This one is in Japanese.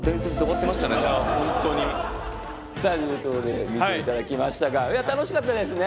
さあということで見て頂きましたがいや楽しかったですね。